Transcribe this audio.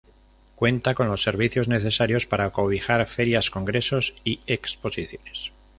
Cuenta con los servicios necesarios para cobijar Ferias, Congresos y Exposiciones.